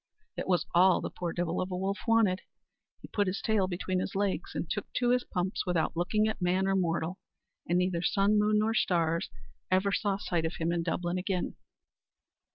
It was all the poor divil of a wolf wanted: he put his tail between his legs, and took to his pumps without looking at man or mortal, and neither sun, moon, nor stars ever saw him in sight of Dublin again.